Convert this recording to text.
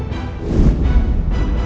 saya mau bekerja